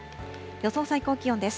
予想最高気温です。